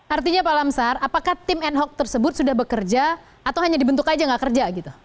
artinya pak lamsar apakah tim ad hoc tersebut sudah bekerja atau hanya dibentuk aja nggak kerja gitu